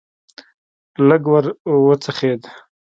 لږ ور وڅخېد.